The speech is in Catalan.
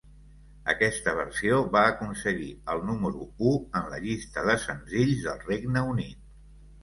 Aquesta versió va aconseguir el número u en la llista de senzills del Regne Unit.